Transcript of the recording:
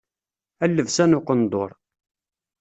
A lebsa n uqendur.